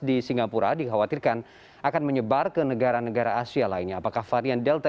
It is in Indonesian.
di singapura dikhawatirkan akan menyebar ke negara negara asia lainnya apakah varian delta